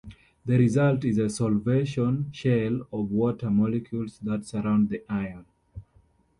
The result is a solvation shell of water molecules that surround the ion.